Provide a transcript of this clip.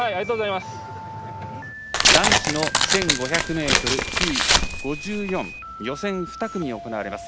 男子の１５００ｍＴ５４、予選２組が行われます。